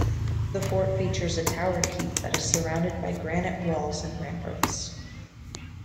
The fort features a tower keep that is surrounded by granite walls and ramparts.